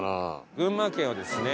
群馬県はですね